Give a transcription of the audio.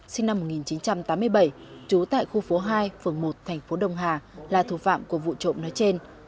sinh năm một nghìn chín trăm tám mươi bảy trú tại khu phố hai phường một thành phố đông hà là thủ phạm của vụ trộm nói trên